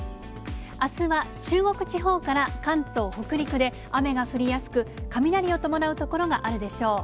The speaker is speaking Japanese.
あすは中国地方から関東、北陸で雨が降りやすく、雷を伴う所があるでしょう。